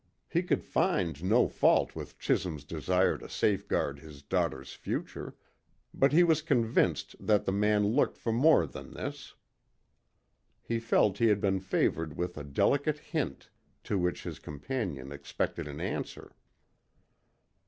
He could find no fault with Chisholm's desire to safeguard his daughter's future, but he was convinced that the man looked for more than this. He felt he had been favoured with a delicate hint, to which his companion expected an answer.